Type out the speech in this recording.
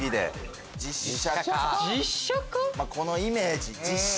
まぁこのイメージ。